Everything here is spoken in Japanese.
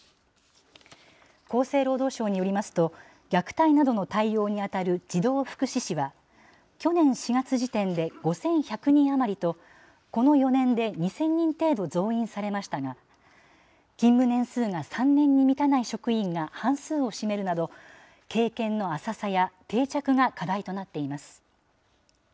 厚生労働省によりますと、虐待などの対応に当たる児童福祉司は、去年４月時点で５１００人余りと、この４年で２０００人程度増員されましたが、勤務年数が３年に満たない職員が半数を占めるなど、経験の浅さや定着が課題となっています。